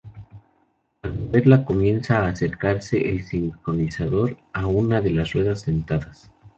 Al moverla comienza a acercarse el sincronizador a una de las ruedas dentadas.